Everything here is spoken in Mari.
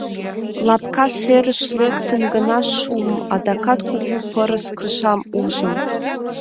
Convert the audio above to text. Лапка серыш лектын гына шуым, адакат кугу пырыс кышам ужым.